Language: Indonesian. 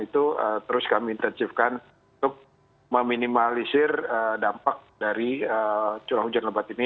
itu terus kami intensifkan untuk meminimalisir dampak dari curah hujan lebat ini